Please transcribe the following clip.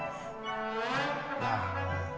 ああ。